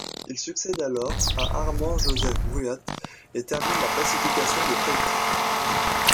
Il succède alors à Armand Joseph Bruat et termine la pacification de Tahiti.